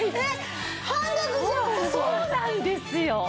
ホントそうなんですよ。